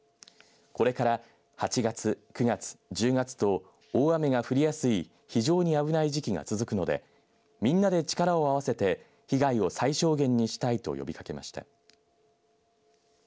これから８月、９月、１０月と大雨が降りやすい非常に危ない時期が続くのでみんなで力を合わせて被害を最小限にしたいと呼びかけました。